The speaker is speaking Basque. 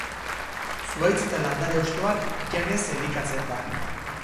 Zuhaitz eta landare hostoak janez elikatzen da.